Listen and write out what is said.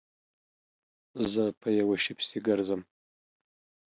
زه په یوه شي پسې گرځم